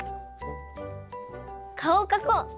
かおをかこう！